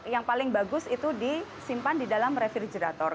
yang paling bagus itu disimpan di dalam refligerator